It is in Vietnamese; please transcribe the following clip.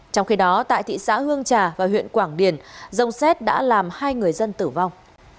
trong khi đó tại thị xã hương trà và huyện quảng điền rông xét đã làm hai người dân tử vong